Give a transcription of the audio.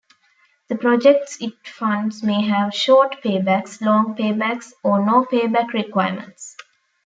The projects it funds may have short paybacks, long paybacks, or no payback requirements.